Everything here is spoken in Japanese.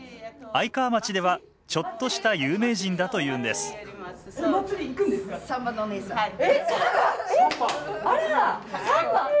愛川町ではちょっとした有名人だというんですえっサンバ？えっ！？